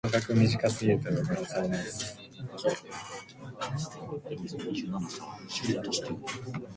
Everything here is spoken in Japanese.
愛してるといった。